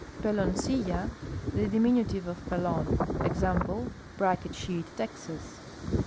J^eloncilla. — The diminutive of pelon. Examjile, Brackett sheet, Tt'xas.